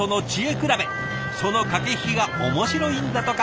その駆け引きが面白いんだとか。